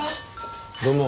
どうも。